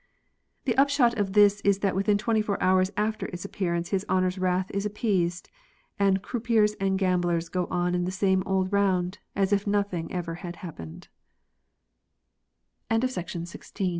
The upshot of this is that within twenty four hours after its appearance his honours wrath is appeased, and croupiers and gamblers go on in the same old round as if nothing whatever had happene